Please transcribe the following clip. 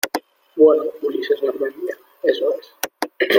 bueno, Ulises Garmendia... eso es .